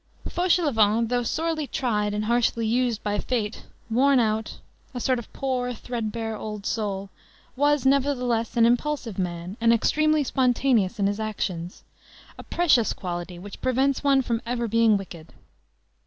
Fauchelevent, though sorely tried and harshly used by fate, worn out, a sort of poor, threadbare old soul, was, nevertheless, an impulsive man, and extremely spontaneous in his actions; a precious quality which prevents one from ever being wicked.